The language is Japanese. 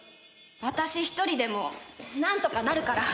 私一人でもなんとかなるから。